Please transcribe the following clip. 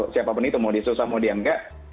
siapapun itu mau disusah mau dianggap